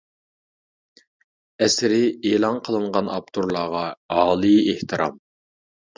ئەسىرى ئېلان قىلىنغان ئاپتورلارغا ئالىي ئېھتىرام!